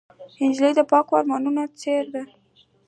نجلۍ د پاکو ارمانونو څېره ده.